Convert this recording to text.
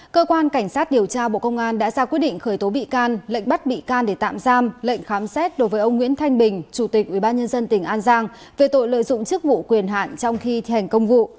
cơ quan cảnh sát điều tra bộ công an đã ra quyết định khởi tố bị can lệnh bắt bị can để tạm giam lệnh khám xét đối với ông nguyễn thanh bình chủ tịch ubnd tỉnh an giang về tội lợi dụng chức vụ quyền hạn trong khi thi hành công vụ